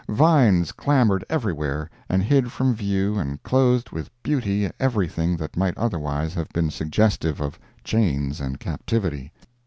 Vines clambered everywhere and hid from view and clothed with beauty everything that might otherwise have been suggestive of chains and captivity.